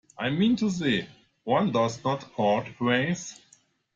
I mean to say, one does not court praise.